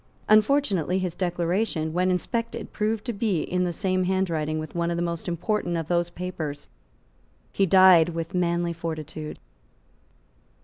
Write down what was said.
Unfortunately his declaration, when inspected, proved to be in the same handwriting with one of the most important of those papers. He died with manly fortitude.